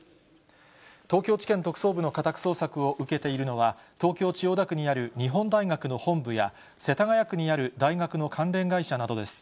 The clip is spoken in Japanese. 東京地検特捜部の家宅捜索を受けているのは、東京・千代田区にある日本大学の本部や、世田谷区にある大学の関連会社などです。